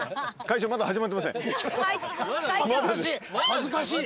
恥ずかしい。